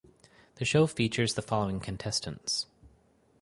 The show features the following contestants